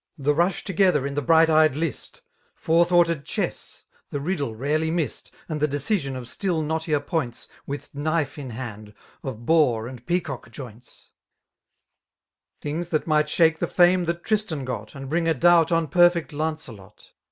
The rush together in the bright eyed Mst, Fot^^^thoughted chess, the riddle rarely missed^ *7 And the decision of still knottier points^ With knife in hand^ of boar and peacock joints,— Thing9> thatmight shake the fnme that Tristan got, And bring a doubt on perfect Launcelot.